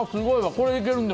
これ、いけるんだ？